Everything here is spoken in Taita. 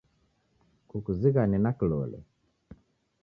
Kukuzighane na kilole.